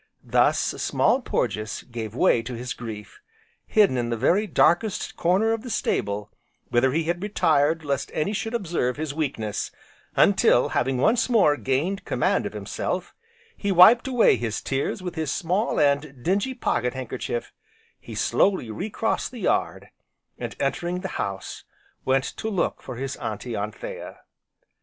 Thus Small Porges gave way to his grief, hidden in the very darkest corner of the stable, whither he had retired lest any should observe his weakness, until having once more gained command of himself, and wiped away his tears with his small, and dingy pocket handkerchief, he slowly re crossed the yard, and entering the house went to look for his Auntie Anthea.